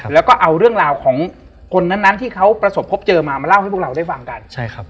แล้วก็เอาเรื่องราวของคนนั้นที่เขาประสบพบเจอมามาเล่าให้พวกเราได้ฟังกันใช่ครับ